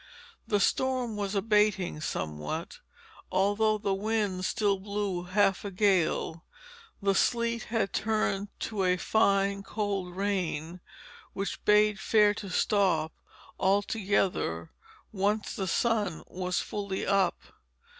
The storm was abating somewhat. Although the wind still blew half a gale, the sleet had turned to a fine, cold rain which bade fair to stop altogether once the sun was fully up.